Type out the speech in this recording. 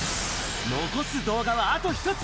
残す動画はあと１つ。